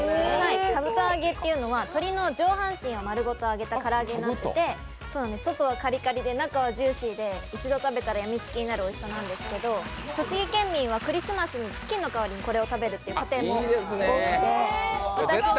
かぶと揚げっていうのは鶏の上半身を揚げたもので外はカリカリで中はジューシーで一度食べたらやみつきになるおいしさなんですけど栃木県民はクリスマスにチキンの代わりにこれを食べるっていう家庭も多くて。